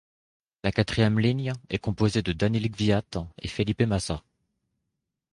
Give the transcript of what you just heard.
La quatrième ligne est composée de Daniil Kvyat et Felipe Massa.